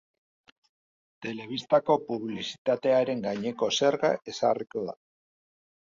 Telebistako publizitatearen gaineko zerga ezarriko da.